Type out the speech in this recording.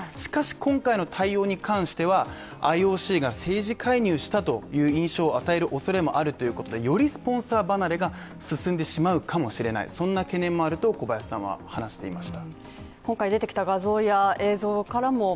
今回の対応に関しては、ＩＯＣが政治介入したという印象を与える恐れもあるということでよりスポンサー離れが進んでしまうかもしれないそんな懸念もあると小林さんは話していました。